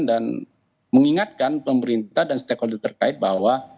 dan mengingatkan pemerintah dan stakeholder terkait bahwa